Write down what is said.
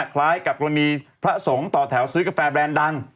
คล้ายกับกรณีพระสงฆ์ต่อแถวซื้อกาแฟแรนด์ดัง